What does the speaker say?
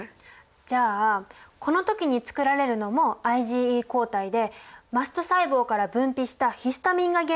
じゃあこの時につくられるのもＩｇＥ抗体でマスト細胞から分泌したヒスタミンが原因だってことは知ってた？